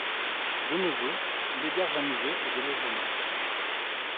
De nos jours, il héberge un musée et des logements.